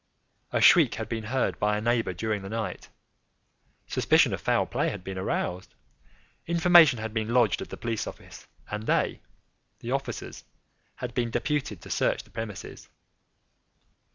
A shriek had been heard by a neighbour during the night; suspicion of foul play had been aroused; information had been lodged at the police office, and they (the officers) had been deputed to search the premises.